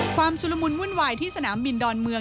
ชุลมุนวุ่นวายที่สนามบินดอนเมือง